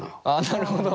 なるほど。